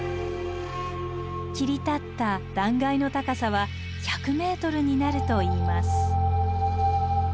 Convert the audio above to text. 切り立った断崖の高さは１００ｍになるといいます。